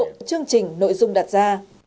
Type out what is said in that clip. trong chương trình nội dung đặt ra